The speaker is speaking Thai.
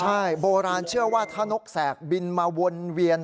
ใช่โบราณเชื่อว่าถ้านกแสกบินมาวนเวียน